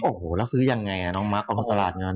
โอ้โหแล้วซื้อยังไงอ่ะน้องมั๊กกองทุนตลาดเงิน